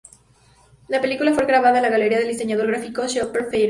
La película fue grabada en la galería del diseñador gráfico Shepard Fairey.